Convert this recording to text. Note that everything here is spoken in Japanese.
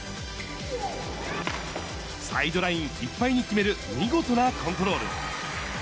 サイドラインいっぱいに決める見事なコントロール。